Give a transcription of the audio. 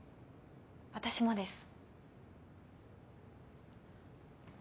私もです。